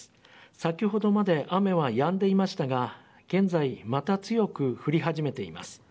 先ほどまで雨はやんでいましたが現在、また強く降り始めています。